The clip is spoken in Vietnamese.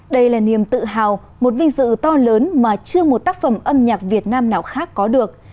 đây là niềm tự hào một vinh dự to lớn mà chưa một tác phẩm âm nhạc việt nam nào khác có được